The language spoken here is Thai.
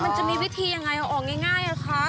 มันจะมีวิธีอย่างไรออกง่ายโอ่ค่ะ